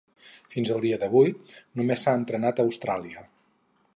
Fins al dia d'avui, només s'ha estrenat a Austràlia.